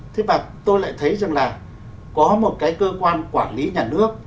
thế và tôi lại thấy rằng là có một cái cơ quan quản lý nhà nước